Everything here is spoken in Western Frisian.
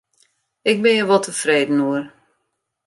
Ik bin hjir wol tefreden oer.